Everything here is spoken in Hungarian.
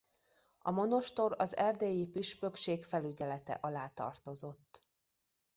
A monostor az erdélyi püspökség felügyelete alá tartozott.